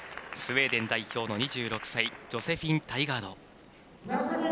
スウェーデン代表、２６歳ジョセフィン・タイガード。